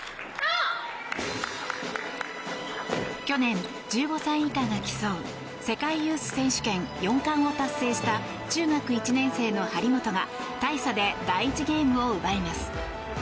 去年１５歳以下が競う世界ユース選手権４冠を達成した中学１年生の張本が大差で第１ゲームを奪います。